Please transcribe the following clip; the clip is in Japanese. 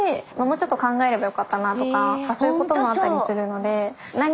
もうちょっと考えればよかったなとかそういうこともあったりするのではあ。